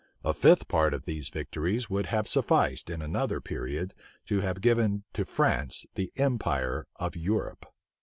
A fifth part of these victories would have sufficed, in another period, to have given to France the empire of Europe.